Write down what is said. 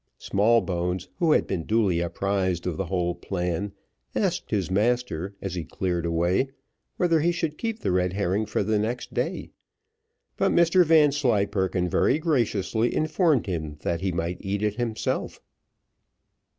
Smallbones, who had been duly apprised of the whole plan, asked his master, as he cleared away, whether he should keep the red herring for the next day; but Mr Vanslyperken very graciously informed him that he might eat it himself.